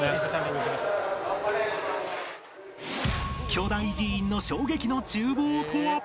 巨大寺院の衝撃の厨房とは？